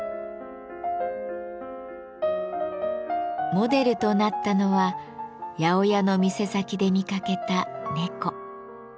モデルとなったのは八百屋の店先で見かけた猫。